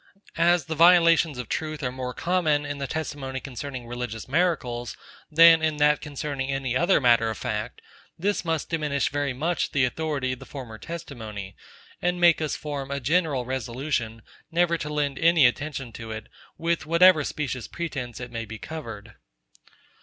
As the violations of truth are more common in the testimony concerning religious miracles, than in that concerning any other matter of fact; this must diminish very much the authority of the former testimony, and make us form a general resolution, never to lend any attention to it, with whatever specious pretence it may be covered.